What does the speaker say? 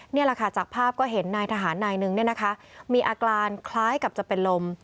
เนี่ยล่ะค่ะจากภาพก็เห็นนายทหารนายนึงเนี่ยนะคะมีอาการคล้ายกับจะเป็นลม